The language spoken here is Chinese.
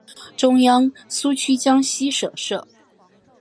中央苏区江西省设。